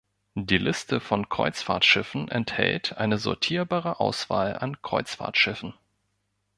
Die Liste von Kreuzfahrtschiffen enthält eine sortierbare Auswahl an Kreuzfahrtschiffen.